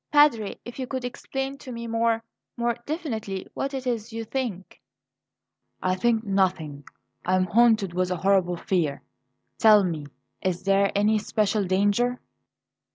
"Padre, if you could explain to me more more definitely, what it is you think " "I think nothing; I am haunted with a horrible fear. Tell me, is there any special danger?"